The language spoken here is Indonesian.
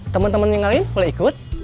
temen temen yang lain boleh ikut